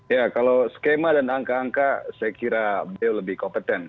ya kalau skema dan angka angka saya kira beliau lebih kompeten